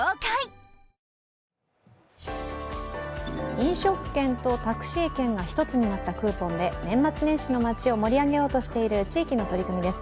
飲食券とタクシー券が１つになったクーポンで年末年始の街を盛り上げようとしている地域の取り組みです。